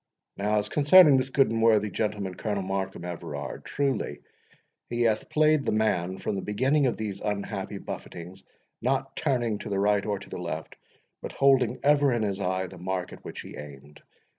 —Now, as concerning this good and worthy gentleman, Colonel Markham Everard, truly he hath played the man from the beginning of these unhappy buffetings, not turning to the right or to the left, but holding ever in his eye the mark at which he aimed.